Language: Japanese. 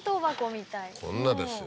こんなですよ